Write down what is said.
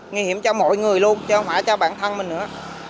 nguy hiểm cho mọi người luôn cho hỏa cho bản thân mình nữa